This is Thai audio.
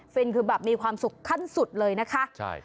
คือแบบมีความสุขขั้นสุดเลยนะคะใช่